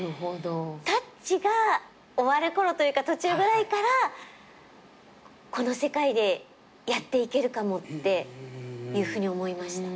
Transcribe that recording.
『タッチ』が終わるころというか途中ぐらいからこの世界でやっていけるかもっていうふうに思いました。